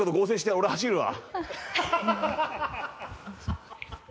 俺、走るわ！